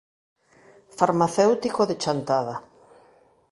Farmacéutico de Chantada.